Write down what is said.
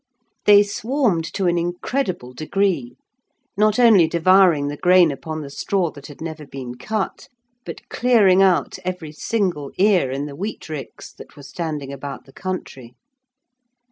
They swarmed to an incredible degree, not only devouring the grain upon the straw that had never been cut, but clearing out every single ear in the wheat ricks that were standing about the country.